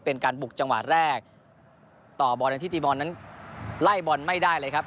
เป็นการบุกจังหวะแรกต่อบอลที่ตีบอลนั้นไล่บอลไม่ได้เลยครับ